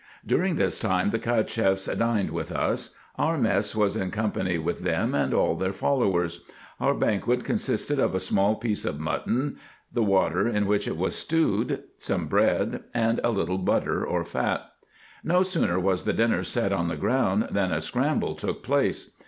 During this time the Cacheffs dined with us. Our mess was in company with them and all their followers. Our banquet consisted of a small piece of mutton, the water in which it was stewed, some bread, and a little butter or fat. No sooner was the dinner set on the ground, than a scramble took place.